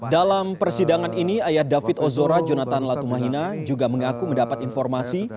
dalam persidangan ini ayah david ozora jonathan latumahina juga mengaku mendapat informasi